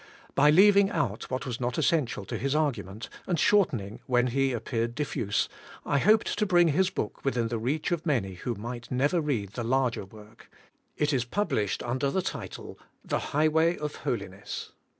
By leaving out what was not essential to his argument, and shortening when he appeared diffuse, I hoped to bring his book within reach of many who might never read the larger work. It is published under the title, The Highivay of Holiness.